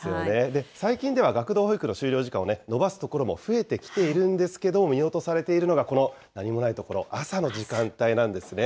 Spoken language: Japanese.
最近では学童保育の終了時間を延ばす所も増えてきているんですけれども、見落とされているのが、この何もない所、朝の時間帯なんですね。